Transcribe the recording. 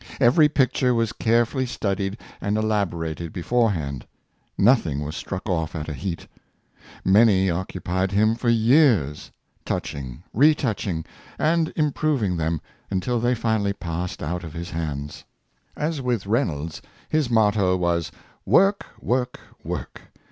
Every picture was carefully studied and elaborated beforehand; nothing was struck off at a heat; many occupied him for years — touching, re touching, and hnproving them until they finally passed out of his hands. As with Reynolds, his motto was, ''Work! work! work!